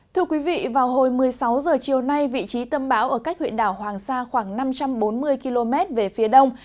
thưa quý vị vào hồi một mươi sáu h chiều nay vị trí tâm bão ở cách huyện đảo hoàng sa khoảng năm trăm bốn mươi km về phía đông